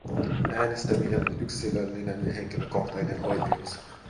Äänestämien on yksilöllinen ja henkilökohtainen oikeus.